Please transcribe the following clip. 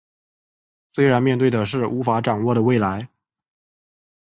虽然面对的是无法掌握的未来